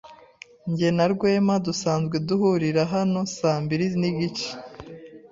Jye na Rwema dusanzwe duhurira hano saa mbiri nigice.